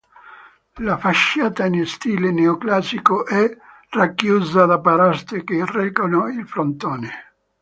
La facciata in stile neoclassico è racchiusa da paraste che reggono il frontone.